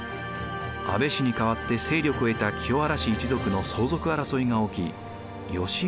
安倍氏に代わって勢力を得た清原氏一族の相続争いが起き義家が介入。